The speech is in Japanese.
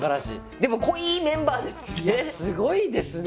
でも濃いメンバーですね。